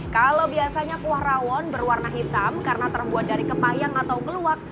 kalau biasanya kuah rawon berwarna hitam karena terbuat dari kepayang atau keluak